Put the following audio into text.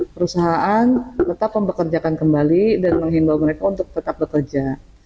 perusahaan tetap mempekerjakan kembali dan menghimbau mereka untuk tetap bekerja